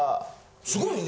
すごいね！